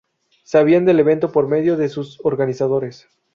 Sabían del evento por medio de sus organizadores.